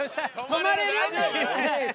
止まれる？